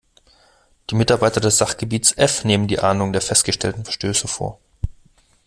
Die Mitarbeiter des Sachgebiets F nehmen die Ahndung der festgestellten Verstöße vor.